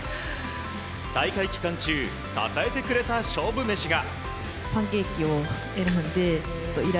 大会期間中支えてくれた勝負メシが。